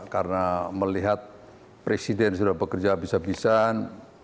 karena melihat presiden sudah bekerja habis habisan